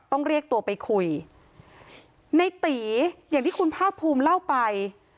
ต้องเรียกตัวไปคุยในตีอย่างที่คุณภาคภูมิเล่าไป